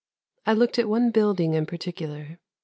" I looked at one building in particular.